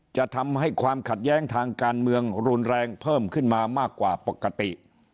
จะทำให้ความขัดแย้งทางการเมืองรุนแรงเพิ่มขึ้นมามากกว่าปกติ